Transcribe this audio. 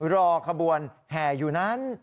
รอขบวนแห่อยู่นั้น